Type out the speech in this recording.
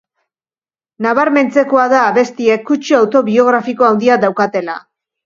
Nabarmentzekoa da abestiek kutsu autobiografiko handia daukatela.